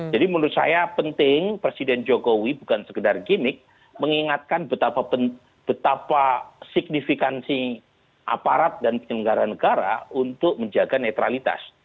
jadi menurut saya penting presiden jokowi bukan sekedar gimmick mengingatkan betapa signifikansi aparat dan penyelenggara negara untuk menjaga netralitas